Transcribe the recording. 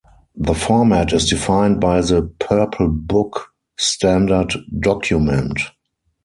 The format is defined by the "Purple Book" standard document.